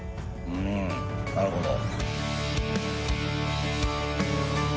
うんなるほど。